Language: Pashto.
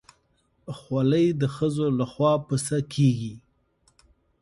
خولۍ د ښځو لخوا پسه کېږي.